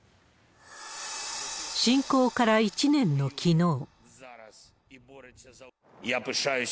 侵攻から１年のきのう。